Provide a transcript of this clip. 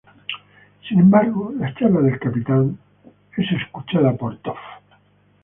Sin embargo, la charla del Capitán es escuchada por Toph.